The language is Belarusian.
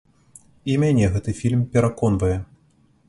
І мяне гэты фільм пераконвае.